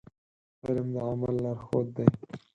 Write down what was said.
علم د عمل لارښود دی.